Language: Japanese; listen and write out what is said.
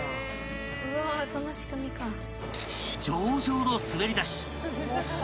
［上々の滑り出し］